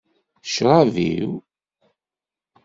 D ccrab-iw.